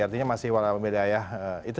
artinya masih walau miliah itu